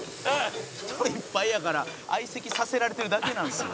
「人いっぱいやから相席させられてるだけなんですよ」